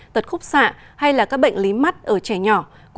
tật khúc xạ hay là các bệnh lý mắt ở trẻ nhỏ